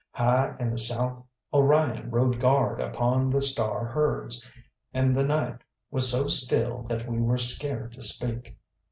High in the south Orion rode guard upon the star herds, and the night was so still that we were scared to speak.